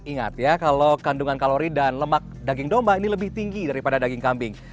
ingat ya kalau kandungan kalori dan lemak daging domba ini lebih tinggi daripada daging kambing